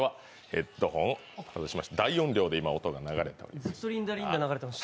大音量で音が流れていました。